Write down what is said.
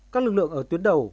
các lực lượng ở tuyến đầu